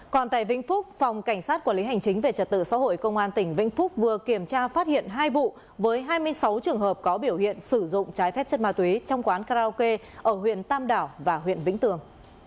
còn tại vĩnh phúc phòng cảnh sát quản lý hành chính về trật tự xã hội công an tỉnh vĩnh phúc vừa kiểm tra phát hiện hai vụ với hai mươi sáu trường hợp có biểu hiện sử dụng trái phép chất ma túy trong quán karaoke ở huyện tam đảo và huyện vĩnh tường